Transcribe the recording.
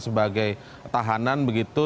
sebagai tahanan begitu